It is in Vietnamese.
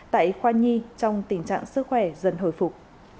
tại khoa nhi trong tình trạng sức khỏe dần hồi phục